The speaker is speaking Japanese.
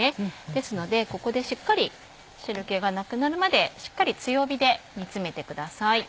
ですのでここでしっかり汁気がなくなるまでしっかり強火で煮詰めてください。